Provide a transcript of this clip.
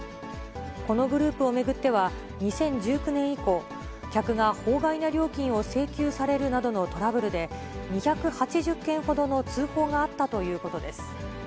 このグループを巡っては、２０１９年以降、客が法外な料金を請求されるなどのトラブルで、２８０件ほどの通報があったということです。